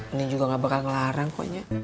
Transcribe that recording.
ini juga gak bakal ngelarang kok nek